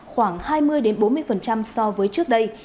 khoảng hai mươi bốn mươi so với trước đây